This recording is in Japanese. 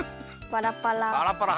パラパラ。